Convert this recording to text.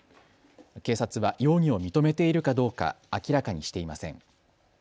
警察は容疑を認めているかどうか明らかにしていません。